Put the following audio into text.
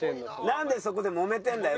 なんでそこでもめてるんだよ